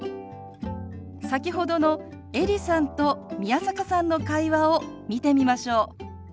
先ほどのエリさんと宮坂さんの会話を見てみましょう。